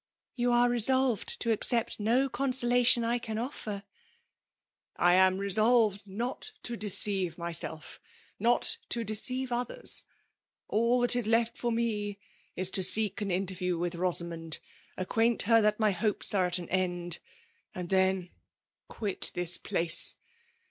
''Tou are resolved to accept no eoosniatimi I can effibr.'* '' I am resolved not to deceive mjaelC not to deociye others. All that is left for me is to seek an iaterview with Rosamond^ acqaaiiit her that my Iwpes are at end ; and ihen» qott tfai& place.